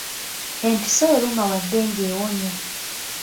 Empiso eruma wadde nga ewonya.